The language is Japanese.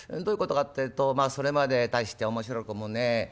どういうことかってえとまあそれまで大して面白くもねえ